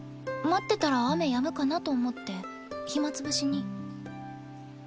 待ってたら雨やむかなと思って暇潰しに。